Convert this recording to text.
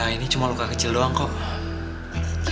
ini cuma luka kecil doang kok